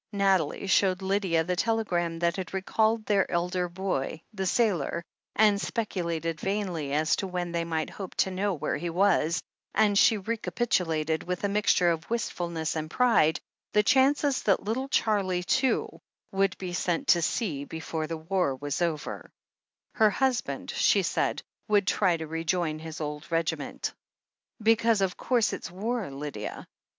Nathalie showed Lydia the telegram that had recalled their elder boy, the sailor, and speculated vainly as to when they might hope to know where he was, and she recapitulated, with a mixture of wistfulness and pride, the chances that little Charlie, too, would be sent to sea 402 THE HEEL OF ACHILLES before the war was over; her husband, she said, would try to rejoin his old regiment. "Because of course it's war, Lydia.